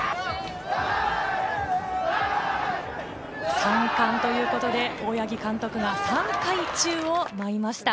３冠ということで大八木監督が３回宙を舞いました。